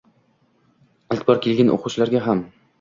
Ilk bor kelgan oʻquvchilarga ham.